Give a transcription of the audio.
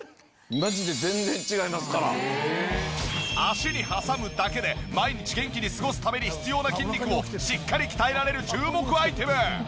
脚に挟むだけで毎日元気に過ごすために必要な筋肉をしっかり鍛えられる注目アイテム。